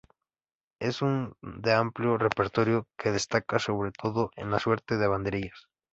Es un de amplio repertorio, que destaca sobre todo en la suerte de banderillas.